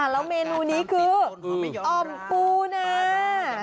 แล้วเมนูนี้คืออ่อมปูนา